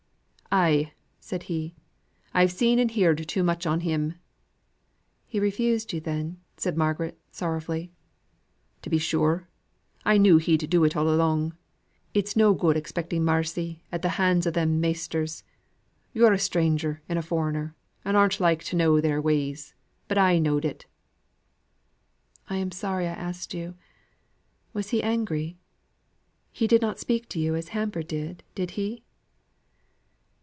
"Ay!" said he. "I've seen and heerd too much on him." "He refused you, then?" said Margaret, sorrowfully. "To be sure. I knew he'd do it all along. It's no good expecting marcy at the hands o' them measters. Yo'r a stranger and a foreigner, and aren't likely to know their ways; but I knowed it." "I am sorry I asked you. Was he angry? He did not speak to you as Hamper did, did he?"